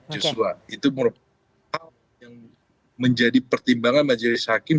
justru itu menurut saya yang menjadi pertimbangan majelis hakim